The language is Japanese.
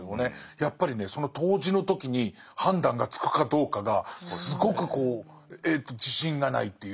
やっぱりねその当時の時に判断がつくかどうかがすごく自信がないっていう。